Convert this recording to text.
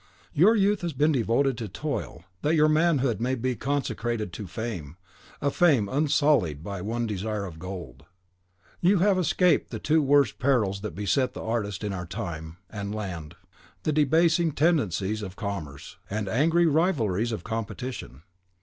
Your youth has been devoted to toil, that your manhood may be consecrated to fame: a fame unsullied by one desire of gold. You have escaped the two worst perils that beset the artist in our time and land, the debasing tendencies of commerce, and the angry rivalries of competition.